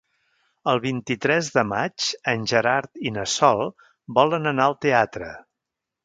El vint-i-tres de maig en Gerard i na Sol volen anar al teatre.